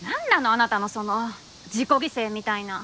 あなたのその自己犠牲みたいな。